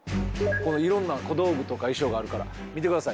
色んな小道具とか衣装があるから見てください